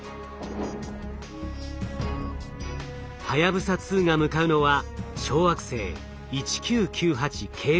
はやぶさ２が向かうのは小惑星１９９８ＫＹ２６。